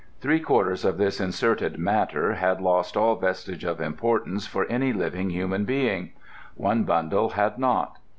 Three quarters of this inserted matter had lost all vestige of importance for any living human being: one bundle had not.